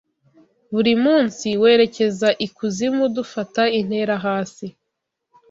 Buri munsi werekeza ikuzimu dufata intera hasi